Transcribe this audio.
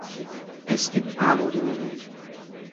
Es gibt Armut in der Welt.